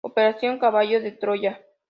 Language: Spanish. Operación Caballo de Troya".